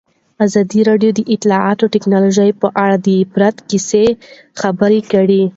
ازادي راډیو د اطلاعاتی تکنالوژي په اړه د عبرت کیسې خبر کړي.